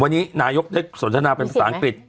วันนี้นายกได้สนทนาเป็นภาษาอังกฤษ